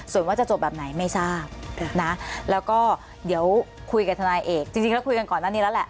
ส่วนว่าจะจบแบบไหนไม่ทราบนะแล้วก็เดี๋ยวคุยกับทนายเอกจริงแล้วคุยกันก่อนหน้านี้แล้วแหละ